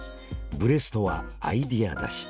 ブレストはアイデア出し。